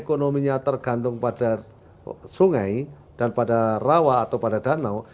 ekonominya tergantung pada sungai dan pada rawa atau pada danau